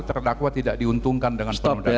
terdakwa tidak diuntungkan dengan penundaan ini